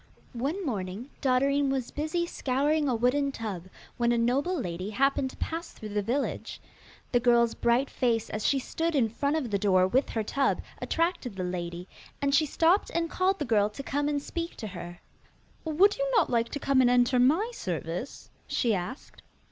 One morning Dotterine was busy scouring a wooden tub, when a noble lady happened to pass through the village. The girl's bright face as she stood in the front of the door with her tub attracted the lady, and she stopped and called the girl to come and speak to her. 'Would you not like to come and enter my service?' she asked.